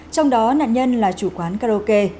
trong đó nạn nhân là chủ quán karaoke